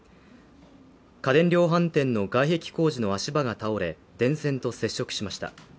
家電量販店の外壁工事の足場が倒れ電線と接触しました。